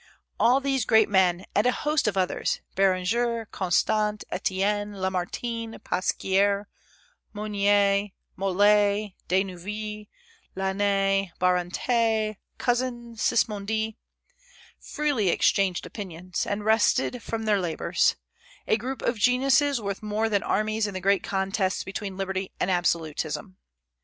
All these great men, and a host of others, Béranger, Constant, Etienne, Lamartine, Pasquier, Mounier, Molé, De Neuville, Lainé, Barante, Cousin, Sismondi, freely exchanged opinions, and rested from their labors; a group of geniuses worth more than armies in the great contests between Liberty and Absolutism.